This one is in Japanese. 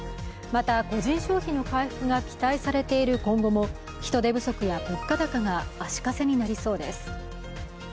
また個人消費の回復が期待されている今後も人手不足や物価高が足かせになりそうです。